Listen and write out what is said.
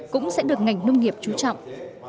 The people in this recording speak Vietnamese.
cũng sẽ được ngành nông nghiệp chú trọng